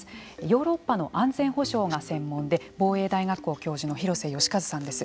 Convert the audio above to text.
ヨーロッパの安全保障が専門で防衛大学校教授の広瀬佳一さんです。